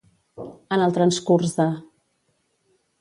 En el transcurs de.